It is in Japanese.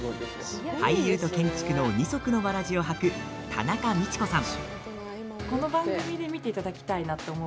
俳優と建築の二足のわらじを履く田中道子さん。